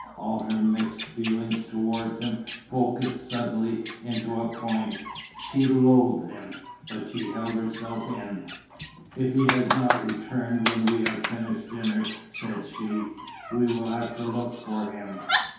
All her mixed feelings towards him focussed suddenly into a point she loathed him; but she held herself in. "If he has not returned when we have finished dinner," said she, "we will have to look for him."